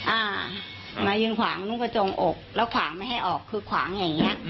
อ่ามายืนขวางนุ่งกระจงอกแล้วขวางไม่ให้ออกคือขวางอย่างเงี้ย